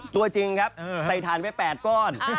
ตัวจริงครับใส่ถ่านไป๘ก้อน